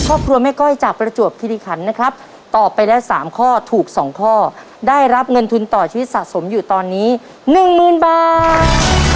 ครอบครัวแม่ก้อยจากประจวบคิริขันนะครับตอบไปแล้ว๓ข้อถูก๒ข้อได้รับเงินทุนต่อชีวิตสะสมอยู่ตอนนี้หนึ่งหมื่นบาท